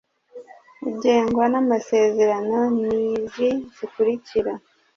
ugengwa n’amasezerano ni izi zikurikira: